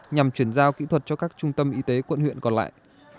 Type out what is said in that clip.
nhằm chuyển giao kỹ thuật cho các trung tâm y tế quận huyện còn lại